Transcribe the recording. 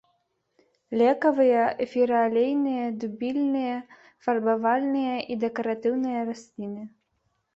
Лекавыя, эфіраалейныя, дубільныя, фарбавальныя і дэкаратыўныя расліны.